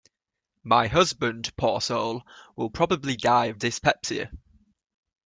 My husband, poor soul, will probably die of dyspepsia.